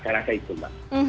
saya rasa itu mbak